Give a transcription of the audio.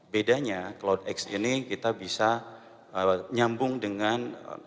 bedanya cloudx ini kita bisa nyambung dengan